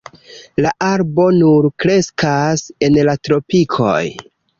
La arbo nur kreskas en la tropikoj.